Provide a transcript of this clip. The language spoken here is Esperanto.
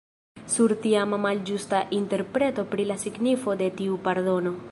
Sur tiama malĝusta interpreto pri la signifo de tiu pardono.